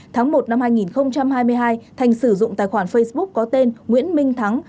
tháng một năm hai nghìn hai mươi hai thành sử dụng tài khoản facebook có tên nguyễn minh thắng